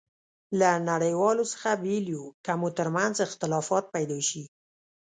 له نړیوالو څخه بېل یو، که مو ترمنځ اختلافات پيدا شي.